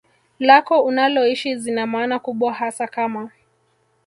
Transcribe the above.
lako unaloishi zina maana kubwa hasa kama